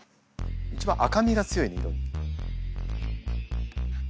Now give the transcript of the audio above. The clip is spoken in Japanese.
一番赤みが強いね色。